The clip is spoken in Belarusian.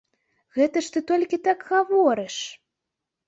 Гэта ж ты толькі так гаворыш.